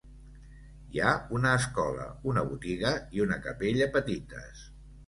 Hi ha una escola, una botiga i una capella petites.